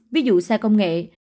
ví dụ xe công nghệ